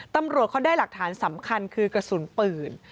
ตำรวจเขาได้หลักฐานสำคัญคือกระสุนปืน